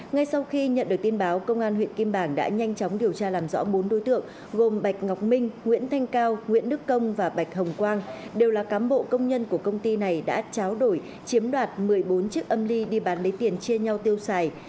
ngay sau khi nhận được tin báo công an huyện kim bảng đã nhanh chóng điều tra làm rõ bốn đối tượng gồm bạch ngọc minh nguyễn thanh cao nguyễn đức công và bạch hồng quang đều là cám bộ công nhân của công ty này đã tráo đổi chiếm đoạt một mươi bốn chiếc âm ly đi bán lấy tiền chia nhau tiêu xài